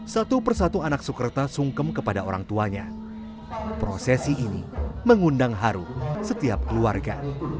satu persatu anak suketa sungkem kepada orangtuanya prosesi ini mengundang haru setiap keluarga